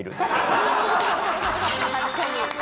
確かに！